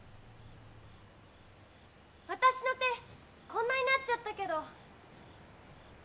私の手こんなになっちゃったけど。